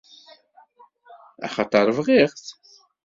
Axaṭer bɣiɣ-t.